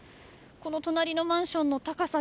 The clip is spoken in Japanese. この隣のマンションの高さ